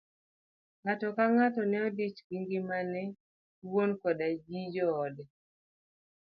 Ng'ato ka ng'ato ne odich gi ngimane owuon koda gi joode.